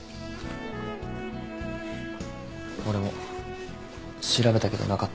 俺も調べたけどなかった。